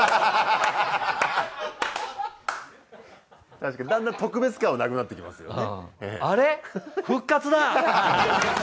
確かにだんだん特別感はなくなってきますよね。